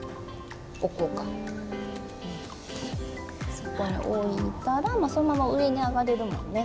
そこに置いたらそのまま上に上がれるもんね。